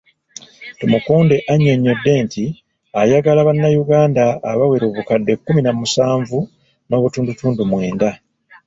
Tumukunde annyonnyodde nti ayagala bannayuganda abawera obukadde kumi na musanvu n'obutundutundu mwenda.